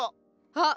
あっ！